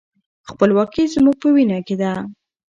خپلواکي زموږ په وینه کې ده.